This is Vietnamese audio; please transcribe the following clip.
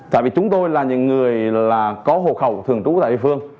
tại vì chúng tôi là những người là có hồ khẩu thường trú tại địa phương